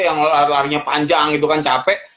yang larinya panjang itu kan capek